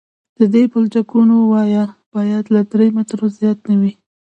د دې پلچکونو وایه باید له درې مترو زیاته نه وي